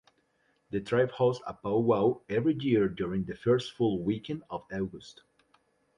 The tribe hosts a pow-wow every year during the first full weekend of August.